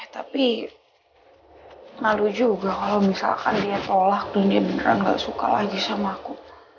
tapi malu juga kalau misalkan dia tolak tuh dia bener gak suka lagi sama aku